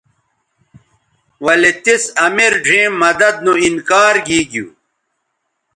ولے تِس امیر ڙھیئں مدد نو انکار گیگیو